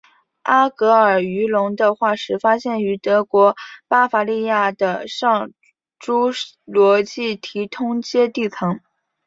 阿戈尔鱼龙的化石发现于德国巴伐利亚的上侏罗纪提通阶地层。